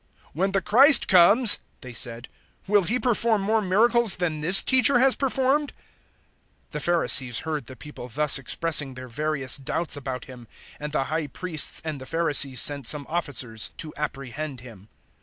"When the Christ comes," they said, "will He perform more miracles than this teacher has performed?" 007:032 The Pharisees heard the people thus expressing their various doubts about Him, and the High Priests and the Pharisees sent some officers to apprehend Him.